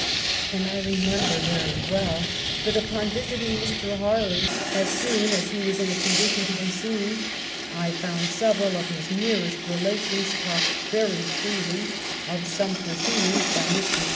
And I remember very well, that upon visiting Mr. Harley, as soon as he was in a condition to be seen, I found several of his nearest relations talk very freely of some proceedings of Mr. St.